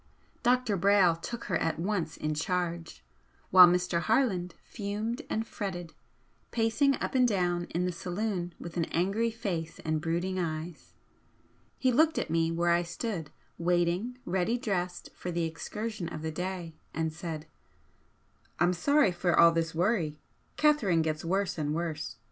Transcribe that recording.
Dr. Brayle took her at once in charge, while Mr. Harland fumed and fretted, pacing up and down in the saloon with an angry face and brooding eyes. He looked at me where I stood waiting, ready dressed for the excursion of the day, and said: "I'm sorry for all this worry. Catherine gets worse and worse.